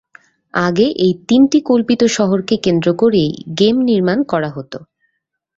আগে এই তিনটি কল্পিত শহরকে কেন্দ্র করেই গেম নির্মাণ করা হত।